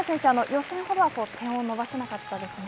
予選ほどは点を伸ばせなかったですね。